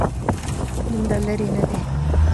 دومره لرې نه دی.